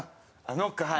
ノックはい。